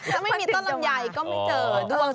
ถ้าไม่มีต้นลำไยก็ไม่เจอด้วย